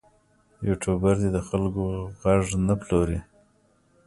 یوټوبر دې د خلکو غږ نه پلوري.